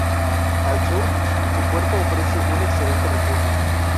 Al sur, su puerto ofrece un excelente refugio.